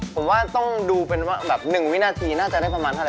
ผมว่าต้องดูเป็นว่าแบบ๑วินาทีน่าจะได้ประมาณเท่าไ